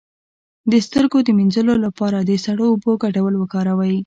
د سترګو د مینځلو لپاره د سړو اوبو ګډول وکاروئ